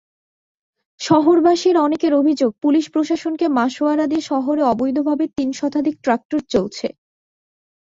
শহরবাসীর অনেকের অভিযোগ, পুলিশ প্রশাসনকে মাসোয়ারা দিয়ে শহরে অবৈধভাবে তিন শতাধিক ট্রাক্টর চলছে।